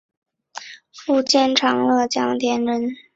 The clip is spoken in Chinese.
福建长乐江田人。